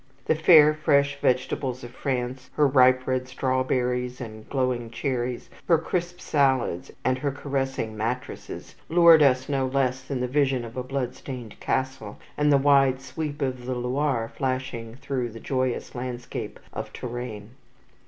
The fair fresh vegetables of France, her ripe red strawberries and glowing cherries, her crisp salads and her caressing mattresses lured us no less than the vision of a bloodstained castle, and the wide sweep of the Loire flashing through the joyous landscape of Touraine.